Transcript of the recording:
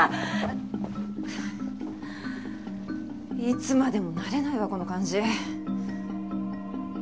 いつまでも慣れないわこの感じ。